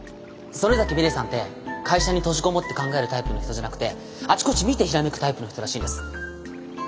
曽根崎ミレイさんて会社に閉じ籠もって考えるタイプの人じゃなくてあちこち見てひらめくタイプの人らしいんです。